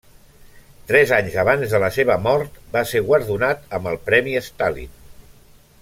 Tres anys abans de la seva mort, va ser guardonat amb el Premi Stalin.